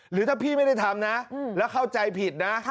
หรือถ้าพี่ไม่ได้ทำนะแล้วเข้าใจผิดนะ